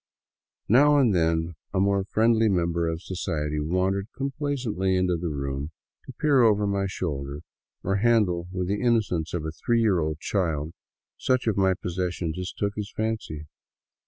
Now and then a more friendly member of society wandered complacently into the room, to peer over my shoulder, or to handle with the innocence of a three year old child such of my possessions as took his fancy.